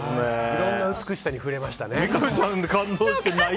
いろんな美しさに触れましたね。